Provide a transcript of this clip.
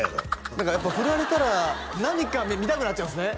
何かやっぱフラれたら何か見たくなっちゃうんですね